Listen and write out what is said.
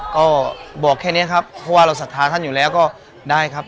ก็บอกแค่นี้ครับเพราะว่าเราศรัทธาท่านอยู่แล้วก็ได้ครับ